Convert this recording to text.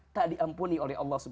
tak diampuni oleh allah swt